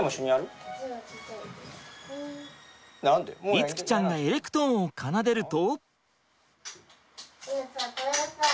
律貴ちゃんがエレクトーンを奏でると。